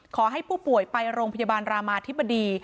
ขอให้ผู้ป่วยไปโรงพยาบาลรามาธิบดี